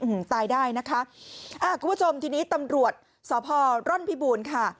อืมตายได้นะคะอ่าคุณผู้ชมทีนี้ตำรวจสพร่อนพิบูรณ์ค่ะ